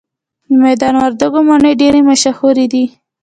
د میدان وردګو مڼې ډیرې مشهورې دي